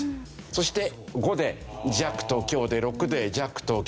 そして５で弱と強で６で弱と強。